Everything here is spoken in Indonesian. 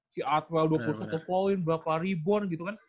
si artwell dua puluh satu poin berapa reborn gitu kan